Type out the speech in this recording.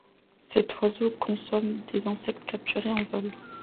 Cet oiseau consomme des insectes capturés en vol.